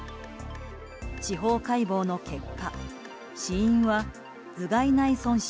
司法解剖の結果、死因は頭蓋内損傷。